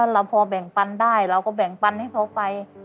เราพอแบ่งปันได้เราก็แบ่งปันให้เขาไป